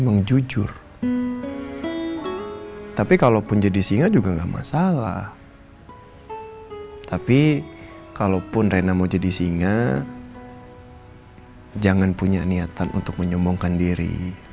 walaupun reyna mau jadi singa jangan punya niatan untuk menyembongkan diri